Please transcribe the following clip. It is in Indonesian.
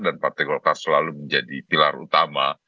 dan partai golkar selalu menjadi pilar utama